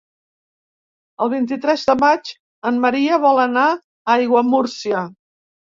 El vint-i-tres de maig en Maria vol anar a Aiguamúrcia.